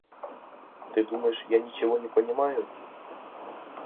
Ты думаешь, я ничего не понимаю?